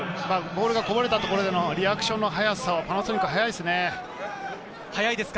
ボールがこぼれたところでのリアクションの速さ、パナソニックは速いですね。